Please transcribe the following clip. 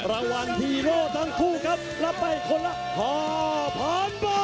รางวัลฮีโร่ทั้งคู่ครับรับไปคนละ๕๐๐๐บาท